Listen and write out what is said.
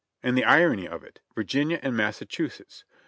And the irony of it — Virginia and Mas sachusetts